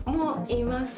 います。